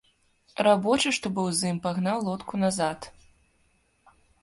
Рабочы, што быў з ім, пагнаў лодку назад.